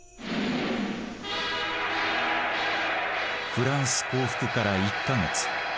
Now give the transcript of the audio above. フランス降伏から１か月。